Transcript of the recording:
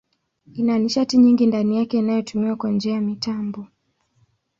Ina nishati nyingi ndani yake inayotumiwa kwa njia ya mitambo.